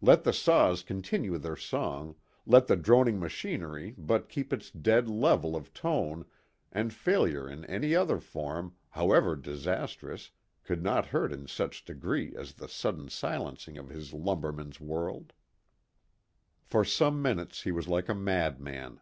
Let the saws continue their song, let the droning machinery but keep its dead level of tone, and failure in any other form, however disastrous, could not hurt in such degree as the sudden silencing of his lumberman's world. For some minutes he was like a madman.